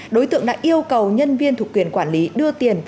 đối tượng đã yêu cầu nhân viên thuộc quyền quản lý đưa tiền